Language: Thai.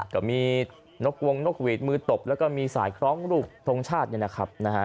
ก็มีนกวงนกหวีดมือตบแล้วก็มีสายคล้องรูปทรงชาติเนี่ยนะครับ